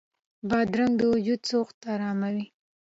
بادرنګ د وجود سوخت اراموي.